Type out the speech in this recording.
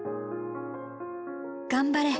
頑張れ！